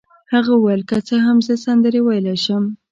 هغه وویل: که څه هم زه سندرې ویلای شم.